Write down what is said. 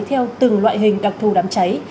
theo từng loại hình đặc thù đám cháy